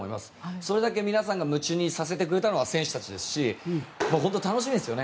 それだけ皆さんを夢中にさせてくれたのは選手たちですし本当に楽しみですよね。